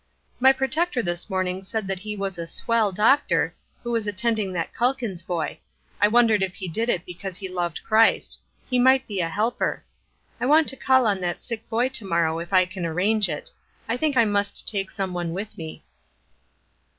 "My protector this morning said he was a 'swell' doctor, who was attending that Calkins boy. I wondered if he did it because he loved Christ. He might be a helper. I want to call on that sick boy to morrow if I can arrange it. I think I must take some one with me."